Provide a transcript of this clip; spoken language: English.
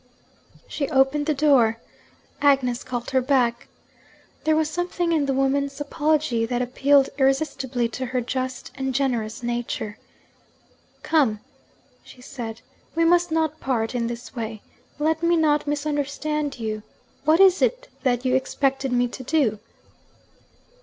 She opened the door. Agnes called her back. There was something in the woman's apology that appealed irresistibly to her just and generous nature. 'Come,' she said; 'we must not part in this way. Let me not misunderstand you. What is it that you expected me to do?'